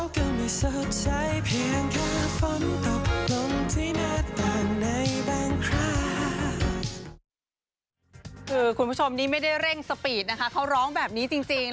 คือคุณผู้ชมนี่ไม่ได้เร่งสปีดนะคะเขาร้องแบบนี้จริง